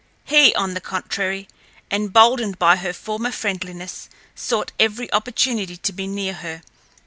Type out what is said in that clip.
He, on the contrary, emboldened by her former friendliness, sought every opportunity to be near her.